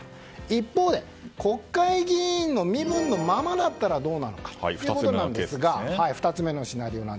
一方で、国会議員の身分のままだったらどうなのかということですが２つ目のシナリオ